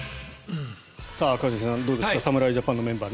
一茂さん、どうですか侍ジャパンのメンバー